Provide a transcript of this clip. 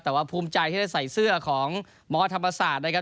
แต่ว่าภูมิใจที่ได้ใส่เสื้อของมธรรมศาสตร์นะครับ